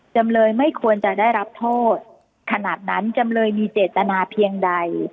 จำเลยไม่ควรจะได้รับโทษขนาดนั้นจำเลยมีเจตนาเพียงใด